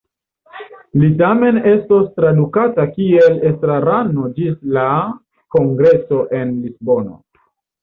Li tamen estos traktata kiel estrarano ĝis la kongreso en Lisbono.